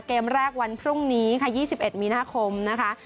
เกมแรกวันพรุ่งนี้ค่ะ๒๑มีนาคมนะคะ